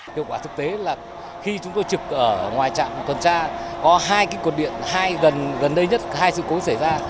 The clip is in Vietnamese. điều quả thực tế là khi chúng tôi trực ở ngoài trạm tuần tra có hai cái cột điện hai gần đây nhất hai sự cố xảy ra